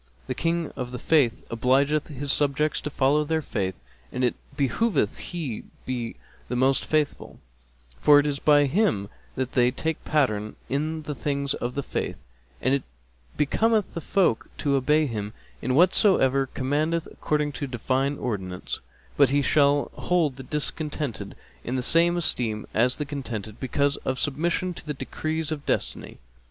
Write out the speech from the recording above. The King of the Faith obligeth his subjects to follow their faith, and it behoveth he be the most faithful,[FN#261] for it is by him that they take pattern in the things of the Faith; and it becometh the folk to obey him in whatso he commandeth according to Divine Ordinance; but he shall hold the discontented in the same esteem as the contented, because of submission to the decrees of Destiny.